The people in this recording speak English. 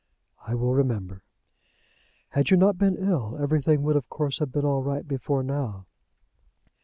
"I will remember." "Had you not been ill, everything would of course have been all right before now."